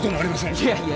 いやいや